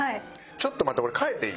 ちょっと待って。